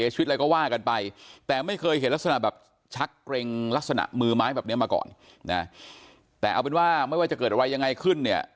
จากลักษณะมือไม้แบบนี้มาก่อนแต่เอาเป็นว่าไม่ว่าจะเกิดอะไรยังไงขึ้นเนี่ย